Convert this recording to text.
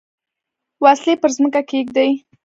وسلې پر مځکه کښېږدي.